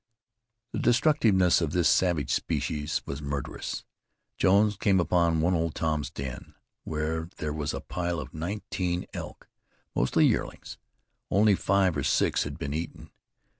The destructiveness of this savage species was murderous. Jones came upon one old Tom's den, where there was a pile of nineteen elk, mostly yearlings. Only five or six had been eaten.